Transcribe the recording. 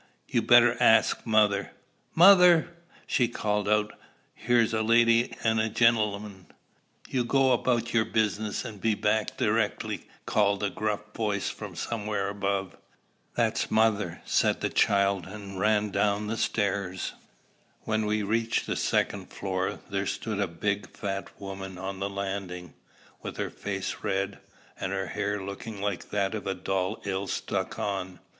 You better ast mother. Mother!" she called out "here's a lady an' a gen'lem'." "You go about yer business, and be back direckly," cried a gruff voice from somewhere above. "That's mother," said the child, and ran down the stair. When we reached the second floor, there stood a big fat woman on the landing, with her face red, and her hair looking like that of a doll ill stuck on.